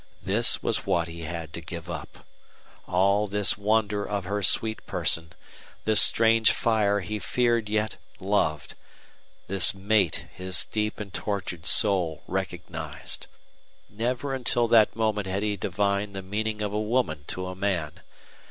This was what he had to give up all this wonder of her sweet person, this strange fire he feared yet loved, this mate his deep and tortured soul recognized. Never until that moment had he divined the meaning of a woman to a man.